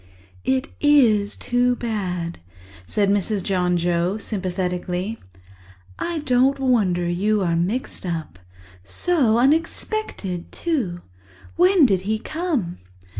"It is too bad," said Mrs. John Joe sympathetically. "I don't wonder you are mixed up. So unexpected, too! When did he come?"